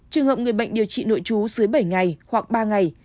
trường hợp người bệnh điều trị nội trú dưới bảy ngày hoặc ba ngày